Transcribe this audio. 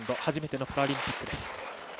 初めてのパラリンピックです。